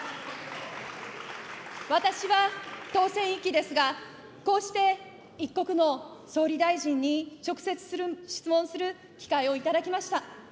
私は当選１期ですが、こうして一国の総理大臣に直接質問する機会を頂きました。